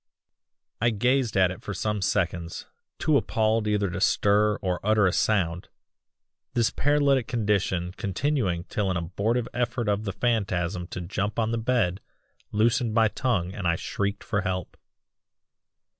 "I gazed at it for some seconds too appalled either to stir or utter a sound this paralytic condition continuing till an abortive effort of the phantasm to jump on the bed loosened my tongue and I shrieked for help.